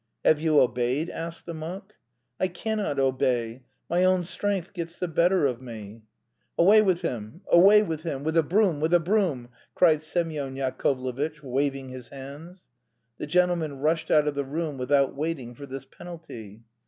"Have you obeyed?" asked the monk. "I cannot obey. My own strength gets the better of me." "Away with him, away with him! With a broom, with a broom!" cried Semyon Yakovlevitch, waving his hands. The gentleman rushed out of the room without waiting for this penalty.